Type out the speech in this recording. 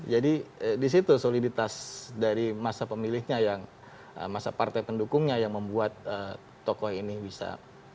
jadi disitu soliditas dari masa pemilihnya yang masa partai pendukungnya yang membuat tokoh ini bisa